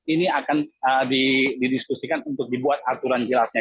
ini akan didiskusikan untuk dibuat aturan jelasnya